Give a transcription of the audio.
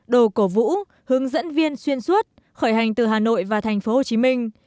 đồ cổ vũ hướng dẫn viên xuyên suốt khởi hành từ hà nội và thành phố hồ chí minh